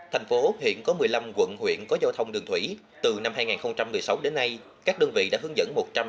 thành phố hiện có một mươi năm quận huyện có giao thông đường thủy từ năm hai nghìn một mươi sáu đến nay các đơn vị đã hướng dẫn